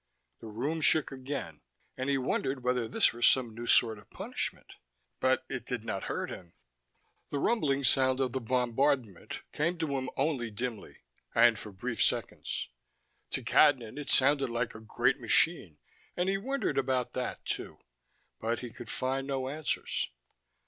The room shook again and he wondered whether this were some new sort of punishment. But it did not hurt him. The rumbling sound of the bombardment came to him only dimly, and for brief seconds. To Cadnan, it sounded like a great machine, and he wondered about that, too, but he could find no answers.